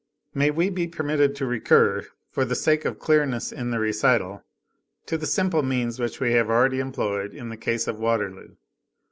May we be permitted to recur, for the sake of clearness in the recital, to the simple means which we have already employed in the case of Waterloo.